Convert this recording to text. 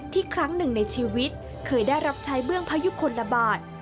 ครั้งหนึ่งในชีวิตเคยได้รับใช้เบื้องพยุคลบาท